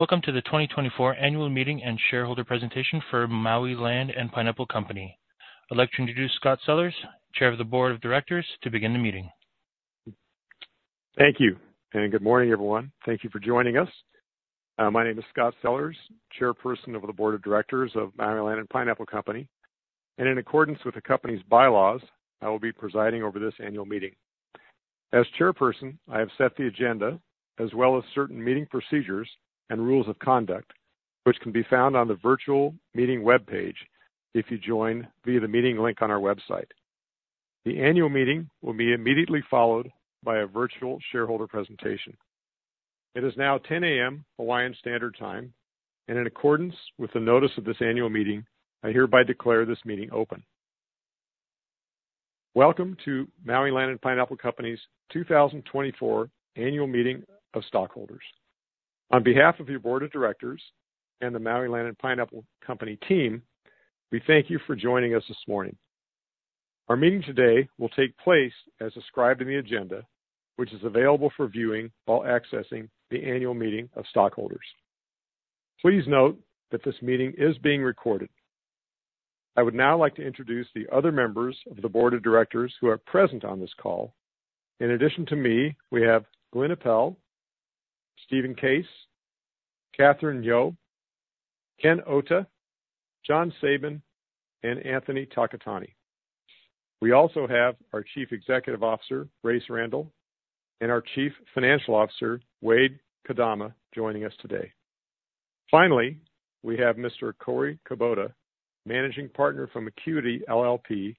Welcome to the 2024 annual meeting and shareholder presentation for Maui Land & Pineapple Company. I'd like to introduce Scot Sellers, Chair of the Board of Directors, to begin the meeting. Thank you, and good morning, everyone. Thank you for joining us. My name is Scot Sellers, Chairperson of the Board of Directors of Maui Land & Pineapple Company, and in accordance with the company's bylaws, I will be presiding over this annual meeting. As Chairperson, I have set the agenda as well as certain meeting procedures and rules of conduct, which can be found on the virtual meeting webpage if you join via the meeting link on our website. The annual meeting will be immediately followed by a virtual shareholder presentation. It is now 10:00 A.M. Hawaiian Standard Time, and in accordance with the notice of this annual meeting, I hereby declare this meeting open. Welcome to Maui Land & Pineapple Company's 2024 annual meeting of stockholders. On behalf of your Board of Directors and the Maui Land & Pineapple Company team, we thank you for joining us this morning. Our meeting today will take place as prescribed in the agenda, which is available for viewing while accessing the annual meeting of stockholders. Please note that this meeting is being recorded. I would now like to introduce the other members of the Board of Directors who are present on this call. In addition to me, we have Glyn Aeppel, Stephen Case, Catherine Ngo, Ken Ota, John Sabin, and Anthony Takatani. We also have our Chief Executive Officer, Race Randle, and our Chief Financial Officer, Wade Kodama, joining us today. Finally, we have Mr. Cory Kubota, Managing Partner from Accuity LLP,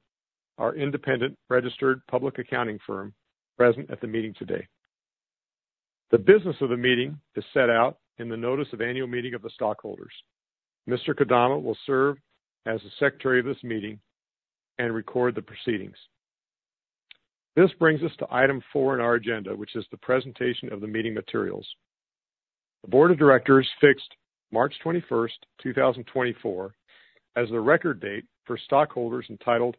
our independent registered public accounting firm, present at the meeting today. The business of the meeting is set out in the notice of annual meeting of the stockholders. Mr. Kodama will serve as the Secretary of this meeting and record the proceedings. This brings us to item four in our agenda, which is the presentation of the meeting materials. The Board of Directors fixed March 21, 2024, as the record date for stockholders entitled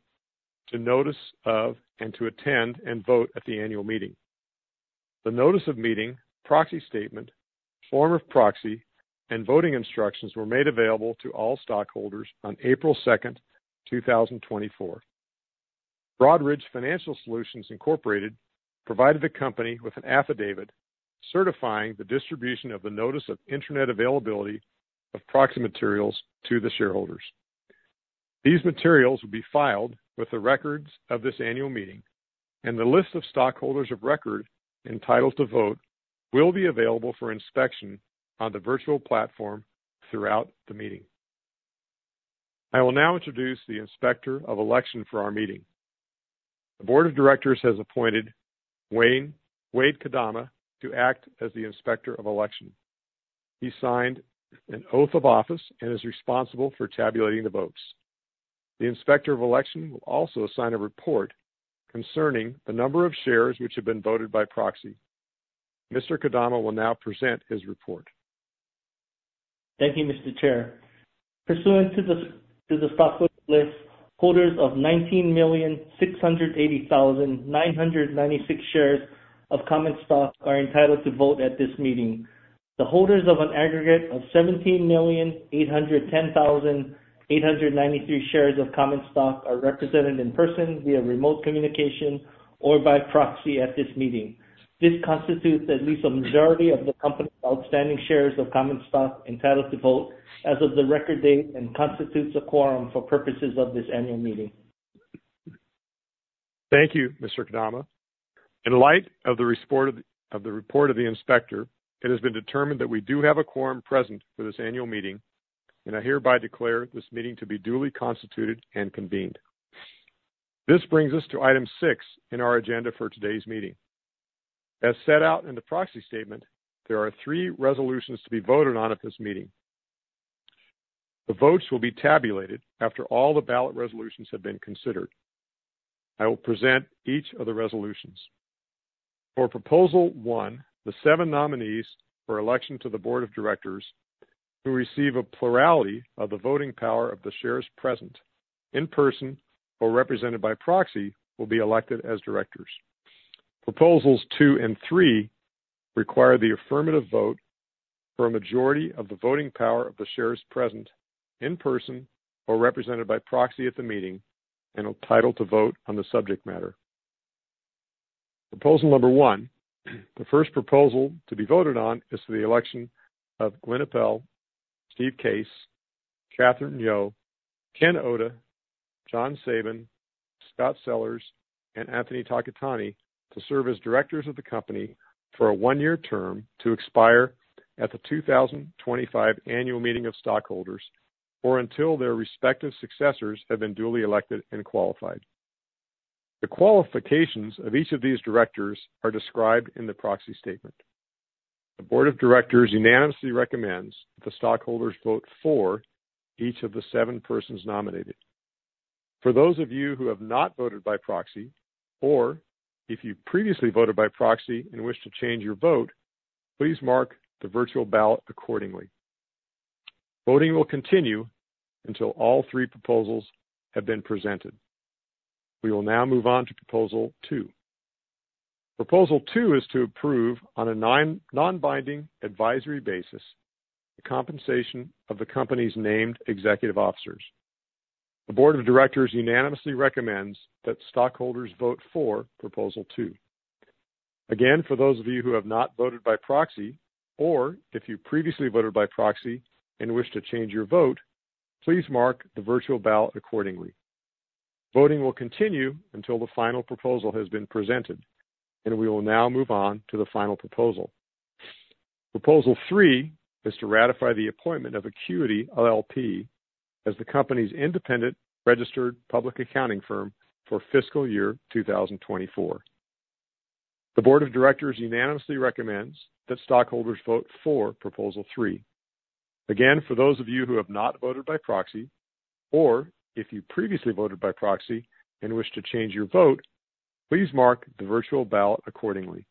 to notice of and to attend and vote at the annual meeting. The notice of meeting, proxy statement, form of proxy, and voting instructions were made available to all stockholders on April 2, 2024. Broadridge Financial Solutions, Incorporated, provided the company with an affidavit certifying the distribution of the notice of internet availability of proxy materials to the shareholders. These materials will be filed with the records of this annual meeting, and the list of stockholders of record entitled to vote will be available for inspection on the virtual platform throughout the meeting. I will now introduce the inspector of election for our meeting. The Board of Directors has appointed Wade Kodama to act as the inspector of election. He signed an oath of office and is responsible for tabulating the votes. The inspector of election will also sign a report concerning the number of shares which have been voted by proxy. Mr. Kodama will now present his report. Thank you, Mr. Chair. Pursuant to the stockholders list, holders of 19,680,996 shares of common stock are entitled to vote at this meeting. The holders of an aggregate of 17,810,893 shares of common stock are represented in person via remote communication or by proxy at this meeting. This constitutes at least a majority of the company's outstanding shares of common stock entitled to vote as of the record date and constitutes a quorum for purposes of this annual meeting. Thank you, Mr. Kodama. In light of the report of the inspector, it has been determined that we do have a quorum present for this annual meeting, and I hereby declare this meeting to be duly constituted and convened. This brings us to item six in our agenda for today's meeting. As set out in the proxy statement, there are three resolutions to be voted on at this meeting. The votes will be tabulated after all the ballot resolutions have been considered. I will present each of the resolutions. For proposal one, the seven nominees for election to the Board of Directors who receive a plurality of the voting power of the shares present in person or represented by proxy will be elected as directors. Proposals two and three require the affirmative vote for a majority of the voting power of the shares present in person or represented by proxy at the meeting and entitled to vote on the subject matter. Proposal number one, the first proposal to be voted on, is for the election of Glyn Aeppel, Steve Case, Catherine Ngo, Ken Ota, John Sabin, Scot Sellers, and Anthony Takatani to serve as directors of the company for a one-year term to expire at the 2025 annual meeting of stockholders or until their respective successors have been duly elected and qualified. The qualifications of each of these directors are described in the proxy statement. The Board of Directors unanimously recommends that the stockholders vote for each of the seven persons nominated. For those of you who have not voted by proxy or if you previously voted by proxy and wish to change your vote, please mark the virtual ballot accordingly. Voting will continue until all three proposals have been presented. We will now move on to proposal two. Proposal two is to approve on a non-binding advisory basis the compensation of the company's named executive officers. The Board of Directors unanimously recommends that stockholders vote for proposal two. Again, for those of you who have not voted by proxy or if you previously voted by proxy and wish to change your vote, please mark the virtual ballot accordingly. Voting will continue until the final proposal has been presented, and we will now move on to the final proposal. Proposal three is to ratify the appointment of Accuity LLP as the company's independent registered public accounting firm for fiscal year 2024. The Board of Directors unanimously recommends that stockholders vote for proposal three. Again, for those of you who have not voted by proxy or if you previously voted by proxy and wish to change your vote, please mark the virtual ballot accordingly.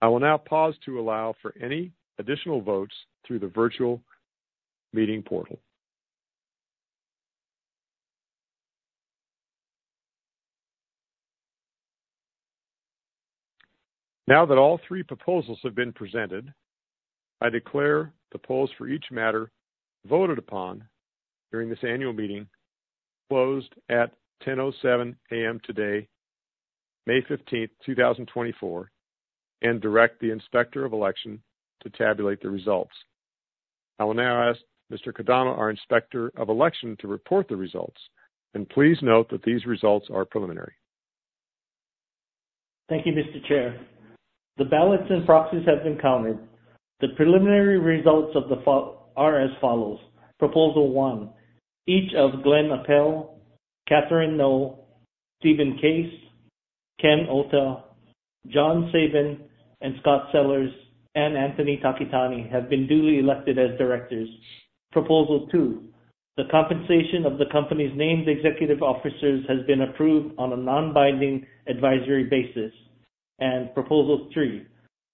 I will now pause to allow for any additional votes through the virtual meeting portal. Now that all three proposals have been presented, I declare the polls for each matter voted upon during this annual meeting closed at 10:07 A.M. today, May 15, 2024, and direct the inspector of election to tabulate the results. I will now ask Mr. Kodama, our inspector of election, to report the results, and please note that these results are preliminary. Thank you, Mr. Chair. The ballots and proxies have been counted. The preliminary results are as follows: proposal one, each of Glyn Aeppel, Catherine Ngo, Stephen Case, Ken Ota, John Sabin, and Scot Sellers and Anthony Takatani have been duly elected as directors. Proposal two, the compensation of the company's named executive officers has been approved on a non-binding advisory basis. Proposal three,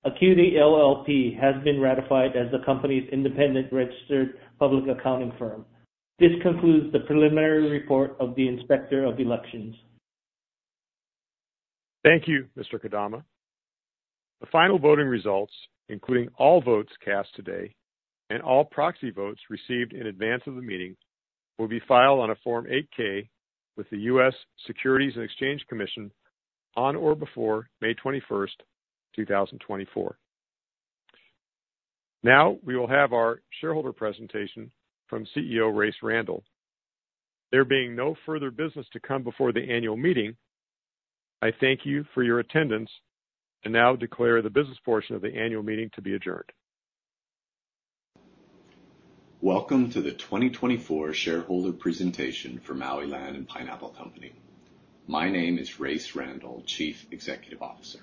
Accuity LLP has been ratified as the company's independent registered public accounting firm. This concludes the preliminary report of the inspector of elections. Thank you, Mr. Kodama. The final voting results, including all votes cast today and all proxy votes received in advance of the meeting, will be filed on a Form 8-K with the U.S. Securities and Exchange Commission on or before May 21, 2024. Now we will have our shareholder presentation from CEO Race Randle. There being no further business to come before the annual meeting, I thank you for your attendance and now declare the business portion of the annual meeting to be adjourned. Welcome to the 2024 shareholder presentation for Maui Land & Pineapple Company. My name is Race Randle, Chief Executive Officer.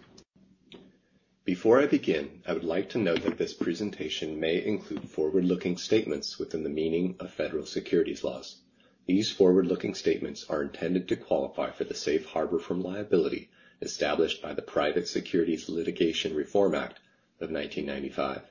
Before I begin, I would like to note that this presentation may include forward-looking statements within the meaning of federal securities laws. These forward-looking statements are intended to qualify for the safe harbor from liability established by the Private Securities Litigation Reform Act of 1995.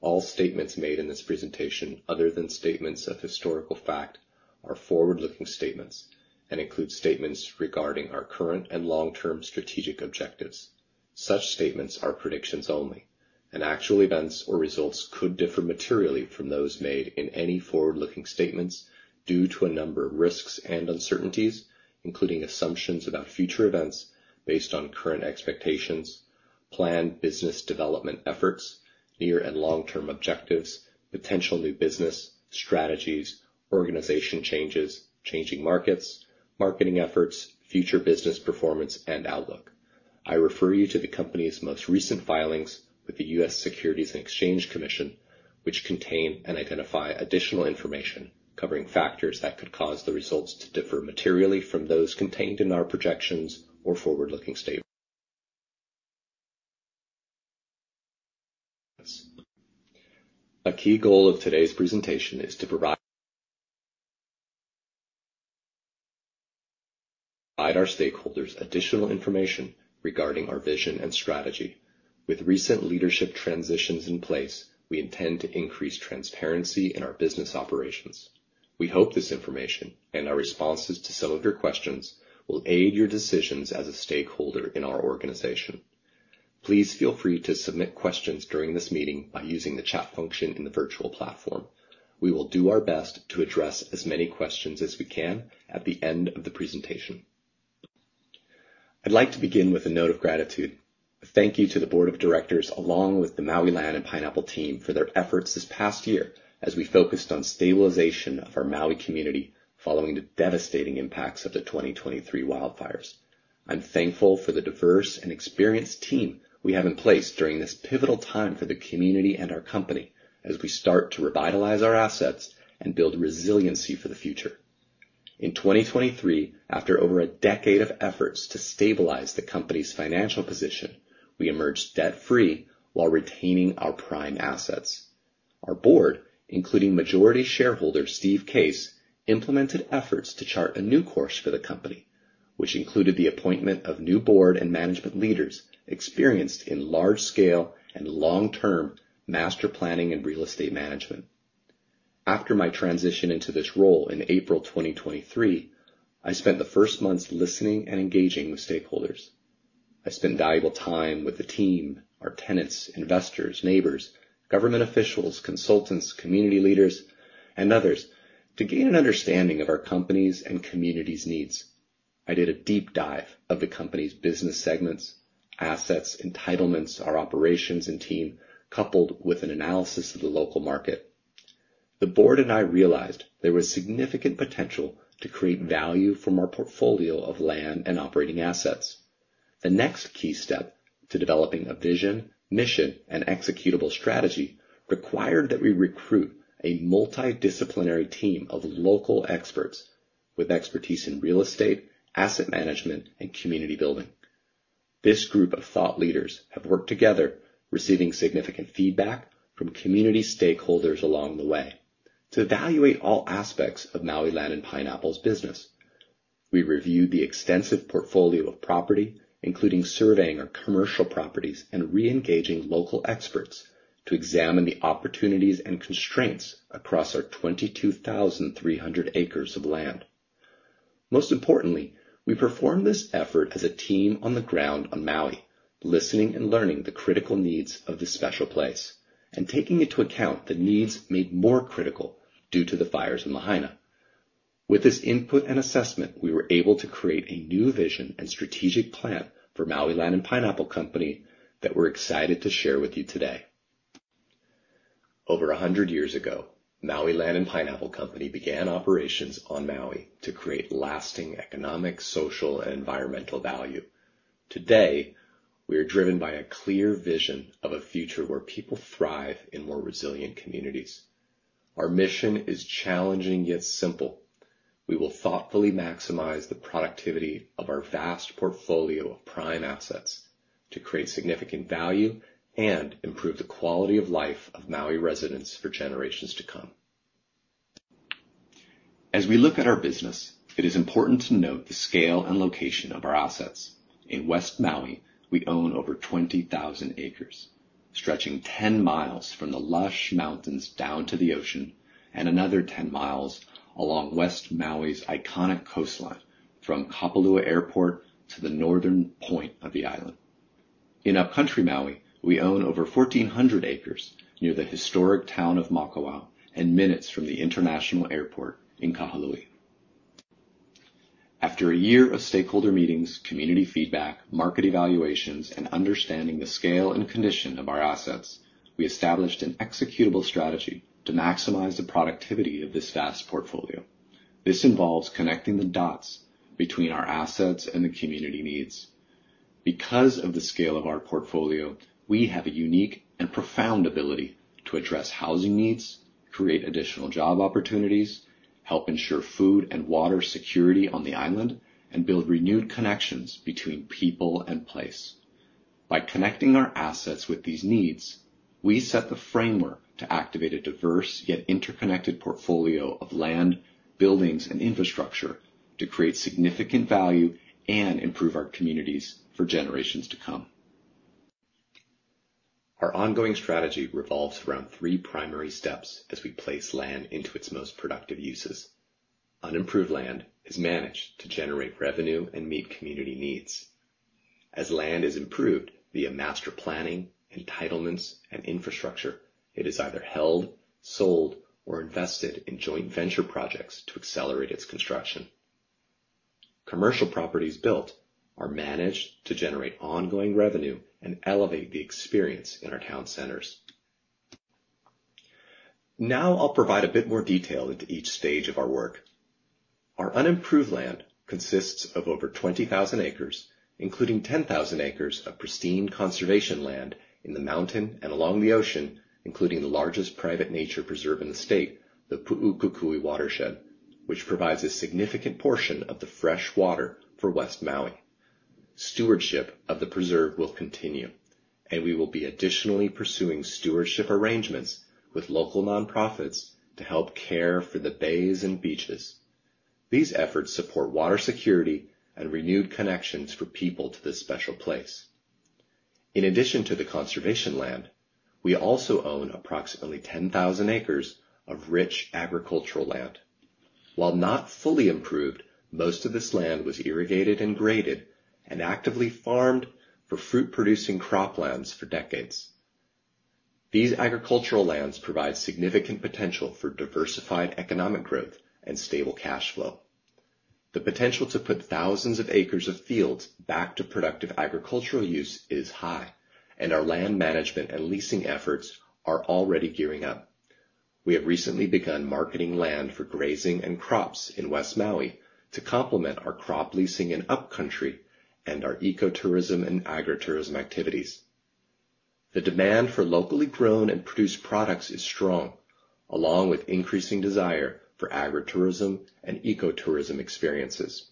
All statements made in this presentation, other than statements of historical fact, are forward-looking statements and include statements regarding our current and long-term strategic objectives. Such statements are predictions only, and actual events or results could differ materially from those made in any forward-looking statements due to a number of risks and uncertainties, including assumptions about future events based on current expectations, planned business development efforts, near and long-term objectives, potential new business strategies, organization changes, changing markets, marketing efforts, future business performance, and outlook. I refer you to the company's most recent filings with the U.S. Securities and Exchange Commission, which contain and identify additional information covering factors that could cause the results to differ materially from those contained in our projections or forward-looking statements. A key goal of today's presentation is to provide our stakeholders additional information regarding our vision and strategy. With recent leadership transitions in place, we intend to increase transparency in our business operations. We hope this information and our responses to some of your questions will aid your decisions as a stakeholder in our organization. Please feel free to submit questions during this meeting by using the chat function in the virtual platform. We will do our best to address as many questions as we can at the end of the presentation. I'd like to begin with a note of gratitude. Thank you to the Board of Directors along with the Maui Land & Pineapple Team for their efforts this past year as we focused on stabilization of our Maui community following the devastating impacts of the 2023 wildfires. I'm thankful for the diverse and experienced team we have in place during this pivotal time for the community and our company as we start to revitalize our assets and build resiliency for the future. In 2023, after over a decade of efforts to stabilize the company's financial position, we emerged debt-free while retaining our prime assets. Our board, including majority shareholder Steve Case, implemented efforts to chart a new course for the company, which included the appointment of new board and management leaders experienced in large-scale and long-term master planning in real estate management. After my transition into this role in April 2023, I spent the first months listening and engaging with stakeholders. I spent valuable time with the team, our tenants, investors, neighbors, government officials, consultants, community leaders, and others to gain an understanding of our company's and community's needs. I did a deep dive of the company's business segments, assets, entitlements, our operations, and team, coupled with an analysis of the local market. The board and I realized there was significant potential to create value from our portfolio of land and operating assets. The next key step to developing a vision, mission, and executable strategy required that we recruit a multidisciplinary team of local experts with expertise in real estate, asset management, and community building. This group of thought leaders have worked together, receiving significant feedback from community stakeholders along the way, to evaluate all aspects of Maui Land & Pineapple's business. We reviewed the extensive portfolio of property, including surveying our commercial properties and re-engaging local experts to examine the opportunities and constraints across our 22,300 acres of land. Most importantly, we performed this effort as a team on the ground on Maui, listening and learning the critical needs of this special place and taking into account the needs made more critical due to the fires in Lahaina. With this input and assessment, we were able to create a new vision and strategic plan for Maui Land & Pineapple Company that we're excited to share with you today. Over 100 years ago, Maui Land & Pineapple Company began operations on Maui to create lasting economic, social, and environmental value. Today, we are driven by a clear vision of a future where people thrive in more resilient communities. Our mission is challenging yet simple. We will thoughtfully maximize the productivity of our vast portfolio of prime assets to create significant value and improve the quality of life of Maui residents for generations to come. As we look at our business, it is important to note the scale and location of our assets. In West Maui, we own over 20,000 acres, stretching 10 miles from the lush mountains down to the ocean and another 10 miles along West Maui's iconic coastline from Kapalua Airport to the northern point of the island. In Upcountry Maui, we own over 1,400 acres near the historic town of Makawao and minutes from the international airport in Kahului. After a year of stakeholder meetings, community feedback, market evaluations, and understanding the scale and condition of our assets, we established an executable strategy to maximize the productivity of this vast portfolio. This involves connecting the dots between our assets and the community needs. Because of the scale of our portfolio, we have a unique and profound ability to address housing needs, create additional job opportunities, help ensure food and water security on the island, and build renewed connections between people and place. By connecting our assets with these needs, we set the framework to activate a diverse yet interconnected portfolio of land, buildings, and infrastructure to create significant value and improve our communities for generations to come. Our ongoing strategy revolves around three primary steps as we place land into its most productive uses. Unimproved land is managed to generate revenue and meet community needs. As land is improved via master planning, entitlements, and infrastructure, it is either held, sold, or invested in joint venture projects to accelerate its construction. Commercial properties built are managed to generate ongoing revenue and elevate the experience in our town centers. Now I'll provide a bit more detail into each stage of our work. Our unimproved land consists of over 20,000 acres, including 10,000 acres of pristine conservation land in the mountain and along the ocean, including the largest private nature preserve in the state, the Pu‘u Kukui Watershed, which provides a significant portion of the fresh water for West Maui. Stewardship of the preserve will continue, and we will be additionally pursuing stewardship arrangements with local nonprofits to help care for the bays and beaches. These efforts support water security and renewed connections for people to this special place. In addition to the conservation land, we also own approximately 10,000 acres of rich agricultural land. While not fully improved, most of this land was irrigated and graded and actively farmed for fruit-producing croplands for decades. These agricultural lands provide significant potential for diversified economic growth and stable cash flow. The potential to put thousands of acres of fields back to productive agricultural use is high, and our land management and leasing efforts are already gearing up. We have recently begun marketing land for grazing and crops in West Maui to complement our crop leasing in Upcountry and our ecotourism and agritourism activities. The demand for locally grown and produced products is strong, along with increasing desire for agritourism and ecotourism experiences.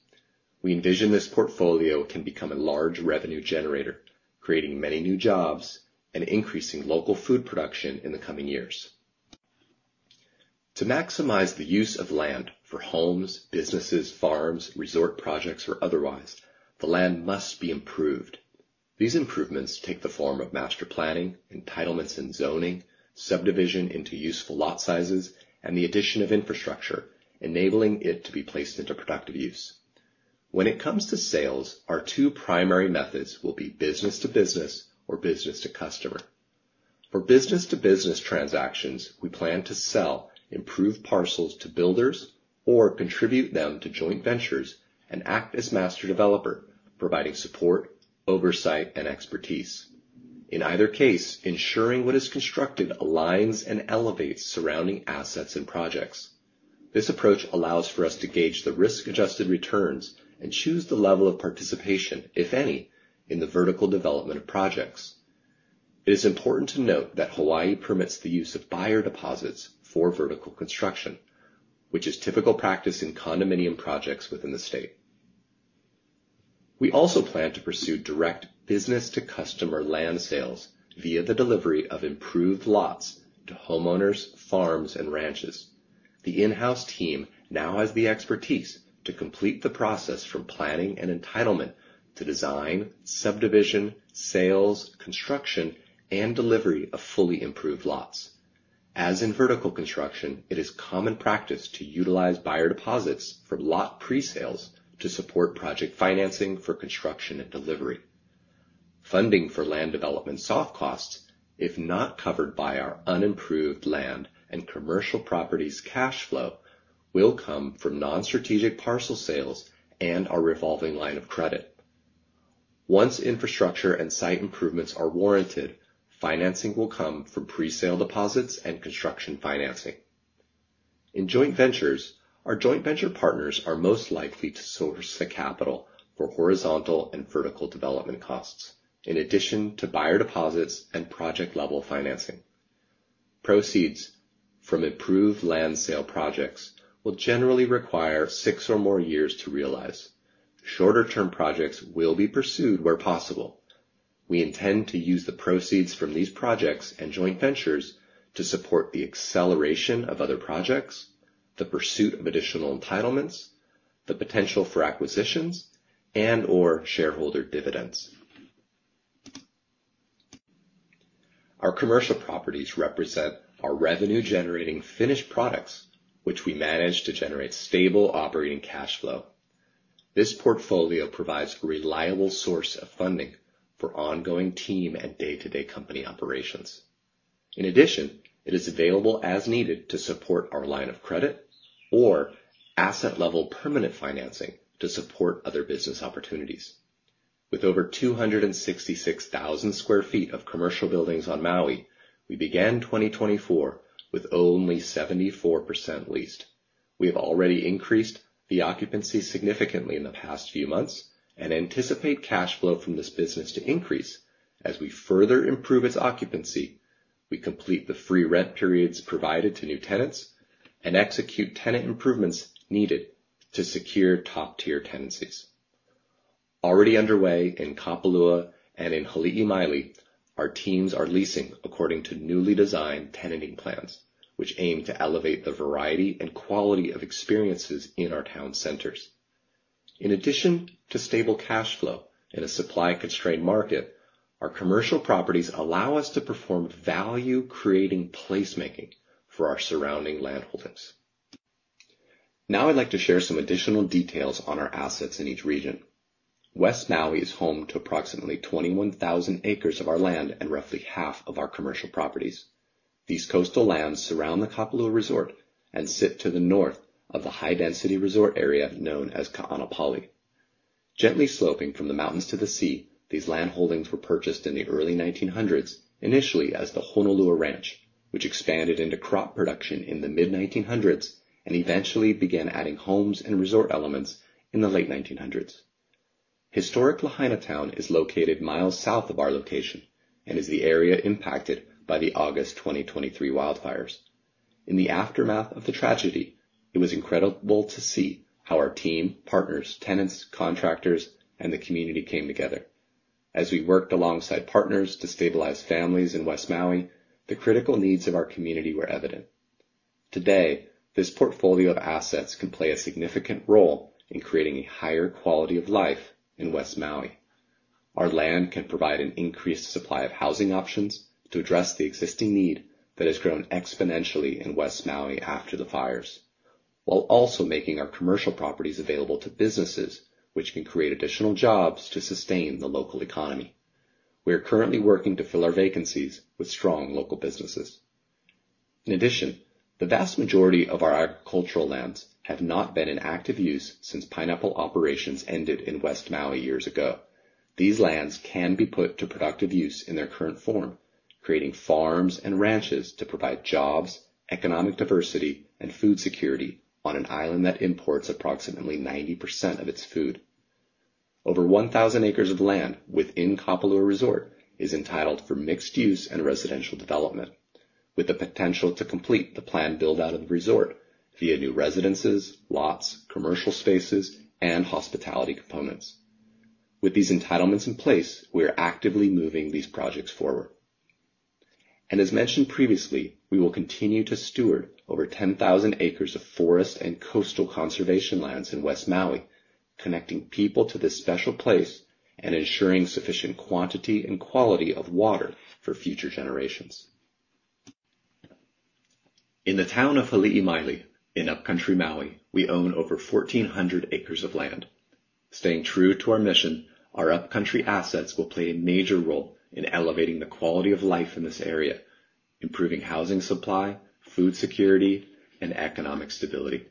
We envision this portfolio can become a large revenue generator, creating many new jobs and increasing local food production in the coming years. To maximize the use of land for homes, businesses, farms, resort projects, or otherwise, the land must be improved. These improvements take the form of master planning, entitlements and zoning, subdivision into useful lot sizes, and the addition of infrastructure, enabling it to be placed into productive use. When it comes to sales, our two primary methods will be business-to-business or business-to-customer. For business-to-business transactions, we plan to sell improved parcels to builders or contribute them to joint ventures and act as master developer, providing support, oversight, and expertise. In either case, ensuring what is constructed aligns and elevates surrounding assets and projects. This approach allows for us to gauge the risk-adjusted returns and choose the level of participation, if any, in the vertical development of projects. It is important to note that Hawaii permits the use of buyer deposits for vertical construction, which is typical practice in condominium projects within the state. We also plan to pursue direct business-to-customer land sales via the delivery of improved lots to homeowners, farms, and ranches. The in-house team now has the expertise to complete the process from planning and entitlement to design, subdivision, sales, construction, and delivery of fully improved lots. As in vertical construction, it is common practice to utilize buyer deposits from lot presales to support project financing for construction and delivery. Funding for land development soft costs, if not covered by our unimproved land and commercial properties cash flow, will come from non-strategic parcel sales and our revolving line of credit. Once infrastructure and site improvements are warranted, financing will come from presale deposits and construction financing. In joint ventures, our joint venture partners are most likely to source the capital for horizontal and vertical development costs, in addition to buyer deposits and project-level financing. Proceeds from improved land sale projects will generally require six or more years to realize. Shorter-term projects will be pursued where possible. We intend to use the proceeds from these projects and joint ventures to support the acceleration of other projects, the pursuit of additional entitlements, the potential for acquisitions, and/or shareholder dividends. Our commercial properties represent our revenue-generating finished products, which we manage to generate stable operating cash flow. This portfolio provides a reliable source of funding for ongoing team and day-to-day company operations. In addition, it is available as needed to support our line of credit or asset-level permanent financing to support other business opportunities. With over 266,000 sq ft of commercial buildings on Maui, we began 2024 with only 74% leased. We have already increased the occupancy significantly in the past few months and anticipate cash flow from this business to increase as we further improve its occupancy, we complete the free rent periods provided to new tenants, and execute tenant improvements needed to secure top-tier tenancies. Already underway in Kapalua and in Hali‘imaile, our teams are leasing according to newly designed tenanting plans, which aim to elevate the variety and quality of experiences in our town centers. In addition to stable cash flow in a supply-constrained market, our commercial properties allow us to perform value-creating placemaking for our surrounding landholdings. Now I'd like to share some additional details on our assets in each region. West Maui is home to approximately 21,000 acres of our land and roughly half of our commercial properties. These coastal lands surround the Kapalua Resort and sit to the north of the high-density resort area known as Ka‘anapali. Gently sloping from the mountains to the sea, these landholdings were purchased in the early 1900s initially as the Honolua Ranch, which expanded into crop production in the mid-1900s and eventually began adding homes and resort elements in the late 1900s. Historic Lahaina Town is located miles south of our location and is the area impacted by the August 2023 wildfires. In the aftermath of the tragedy, it was incredible to see how our team, partners, tenants, contractors, and the community came together. As we worked alongside partners to stabilize families in West Maui, the critical needs of our community were evident. Today, this portfolio of assets can play a significant role in creating a higher quality of life in West Maui. Our land can provide an increased supply of housing options to address the existing need that has grown exponentially in West Maui after the fires, while also making our commercial properties available to businesses, which can create additional jobs to sustain the local economy. We are currently working to fill our vacancies with strong local businesses. In addition, the vast majority of our agricultural lands have not been in active use since pineapple operations ended in West Maui years ago. These lands can be put to productive use in their current form, creating farms and ranches to provide jobs, economic diversity, and food security on an island that imports approximately 90% of its food. Over 1,000 acres of land within Kapalua Resort is entitled for mixed use and residential development, with the potential to complete the planned build-out of the resort via new residences, lots, commercial spaces, and hospitality components. With these entitlements in place, we are actively moving these projects forward. As mentioned previously, we will continue to steward over 10,000 acres of forest and coastal conservation lands in West Maui, connecting people to this special place and ensuring sufficient quantity and quality of water for future generations. In the town of Hali‘imaile in Upcountry Maui, we own over 1,400 acres of land. Staying true to our mission, our Upcountry assets will play a major role in elevating the quality of life in this area, improving housing supply, food security, and economic stability.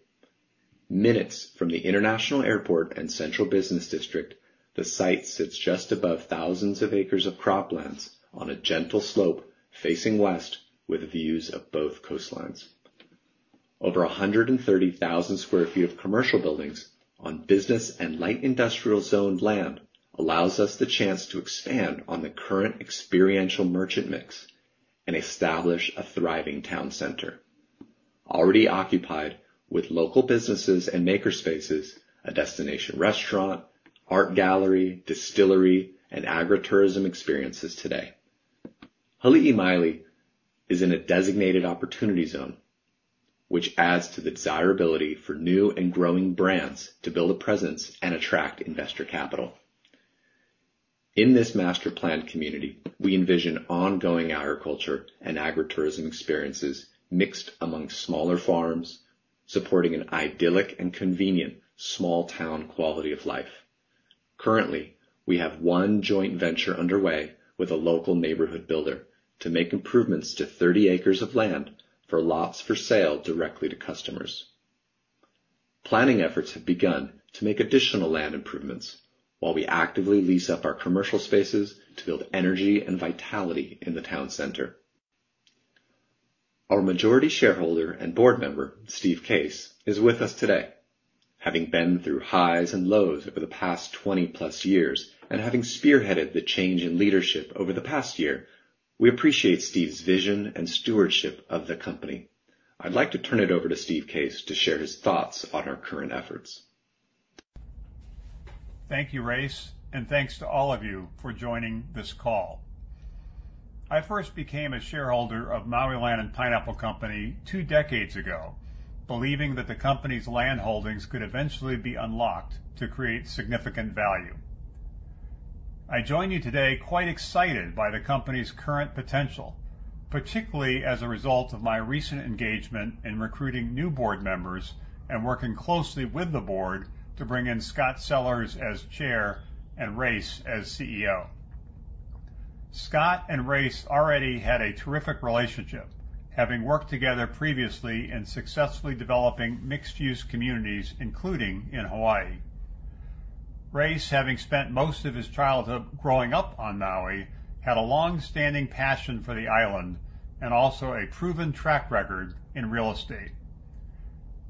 Minutes from the international airport and central business district, the site sits just above thousands of acres of croplands on a gentle slope facing west with views of both coastlines. Over 130,000 sq ft of commercial buildings on business and light industrial-zoned land allows us the chance to expand on the current experiential merchant mix and establish a thriving town center, already occupied with local businesses and makerspaces, a destination restaurant, art gallery, distillery, and agritourism experiences today. Hali‘imaile is in a designated Opportunity Zone, which adds to the desirability for new and growing brands to build a presence and attract investor capital. In this master planned community, we envision ongoing agriculture and agritourism experiences mixed among smaller farms, supporting an idyllic and convenient small-town quality of life. Currently, we have one joint venture underway with a local neighborhood builder to make improvements to 30 acres of land for lots for sale directly to customers. Planning efforts have begun to make additional land improvements while we actively lease up our commercial spaces to build energy and vitality in the town center. Our majority shareholder and board member, Steve Case, is with us today. Having been through highs and lows over the past 20+ years and having spearheaded the change in leadership over the past year, we appreciate Steve's vision and stewardship of the company. I'd like to turn it over to Steve Case to share his thoughts on our current efforts. Thank you, Race, and thanks to all of you for joining this call. I first became a shareholder of Maui Land & Pineapple Company two decades ago, believing that the company's landholdings could eventually be unlocked to create significant value. I join you today quite excited by the company's current potential, particularly as a result of my recent engagement in recruiting new board members and working closely with the board to bring in Scot Sellers as Chair and Race as CEO. Scot and Race already had a terrific relationship, having worked together previously in successfully developing mixed-use communities, including in Hawaii. Race, having spent most of his childhood growing up on Maui, had a longstanding passion for the island and also a proven track record in real estate.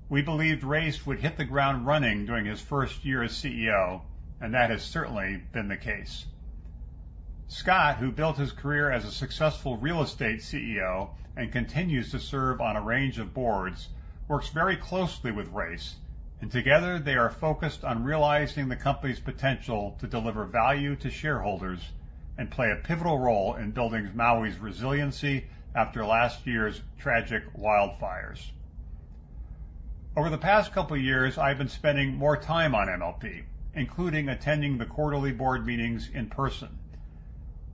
We believed Race would hit the ground running during his first year as CEO, and that has certainly been the case. Scot, who built his career as a successful real estate CEO and continues to serve on a range of boards, works very closely with Race, and together they are focused on realizing the company's potential to deliver value to shareholders and play a pivotal role in building Maui's resiliency after last year's tragic wildfires. Over the past couple of years, I've been spending more time on MLP, including attending the quarterly board meetings in person.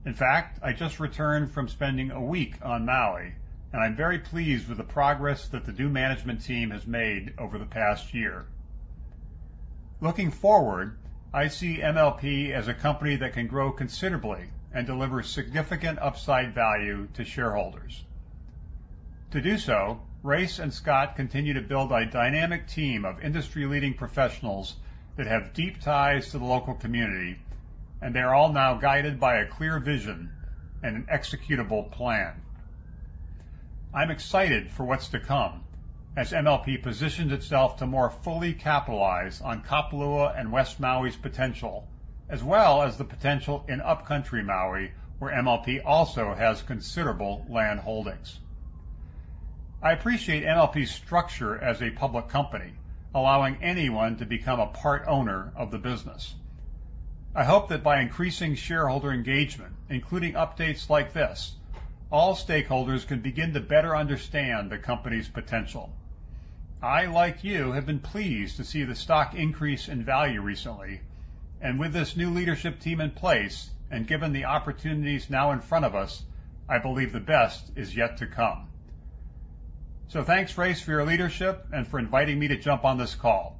In fact, I just returned from spending a week on Maui, and I'm very pleased with the progress that the new management team has made over the past year. Looking forward, I see MLP as a company that can grow considerably and deliver significant upside value to shareholders. To do so, Race and Scott continue to build a dynamic team of industry-leading professionals that have deep ties to the local community, and they are all now guided by a clear vision and an executable plan. I'm excited for what's to come as MLP positions itself to more fully capitalize on Kapalua and West Maui's potential, as well as the potential in Upcountry Maui, where MLP also has considerable landholdings. I appreciate MLP's structure as a public company, allowing anyone to become a part owner of the business. I hope that by increasing shareholder engagement, including updates like this, all stakeholders can begin to better understand the company's potential. I, like you, have been pleased to see the stock increase in value recently, and with this new leadership team in place and given the opportunities now in front of us, I believe the best is yet to come. Thanks, Race, for your leadership and for inviting me to jump on this call.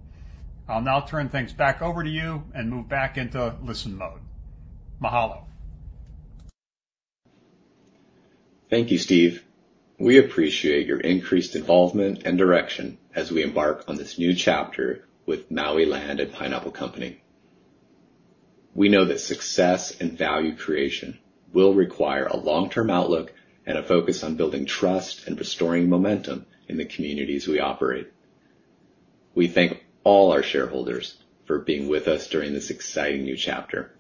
I'll now turn things back over to you and move back into listen mode. Mahalo. Thank you, Steve. We appreciate your increased involvement and direction as we embark on this new chapter with Maui Land & Pineapple Company. We know that success and value creation will require a long-term outlook and a focus on building trust and restoring momentum in the communities we operate. We thank all our shareholders for being with us during this exciting new chapter.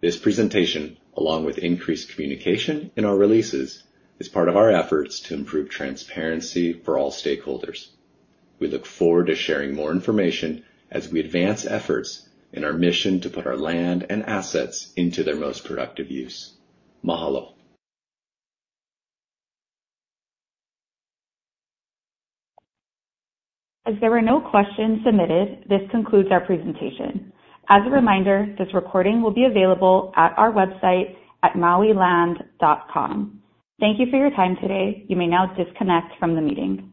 This presentation, along with increased communication in our releases, is part of our efforts to improve transparency for all stakeholders. We look forward to sharing more information as we advance efforts in our mission to put our land and assets into their most productive use. Mahalo. As there were no questions submitted, this concludes our presentation. As a reminder, this recording will be available at our website at mauiland.com. Thank you for your time today. You may now disconnect from the meeting.